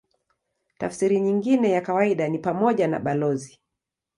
Tafsiri nyingine ya kawaida ni pamoja na balozi.